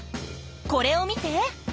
これを見て！